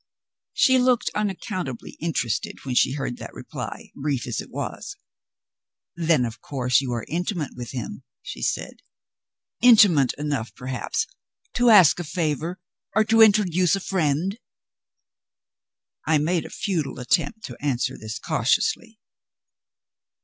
She looked unaccountably interested when she heard that reply, brief as it was. "Then, of course, you are intimate with him," she said. "Intimate enough, perhaps, to ask a favor or to introduce a friend?" I made a futile attempt to answer this cautiously.